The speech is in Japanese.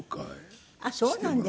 あっそうなんですか。